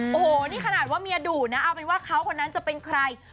โอ้โหนี่ขนาดว่าเมียดุนะเอาเป็นว่าเขาคนนั้นจะเป็นใคร